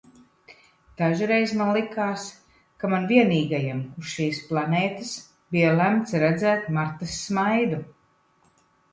Dažreiz man likās, ka man vienīgajam uz šīs planētas bija lemts redzēt Martas smaidu.